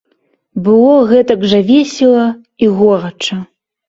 Было гэтак жа весела і горача.